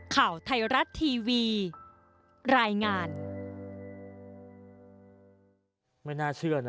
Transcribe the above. ข่าวไทยรัฐทีวีรายงาน